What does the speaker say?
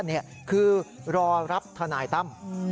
ในครั่วบ้านคือรอรับทนายตั้ม